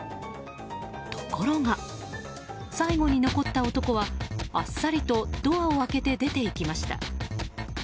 ところが最後に残った男はあっさりとドアを開けて出て行きました。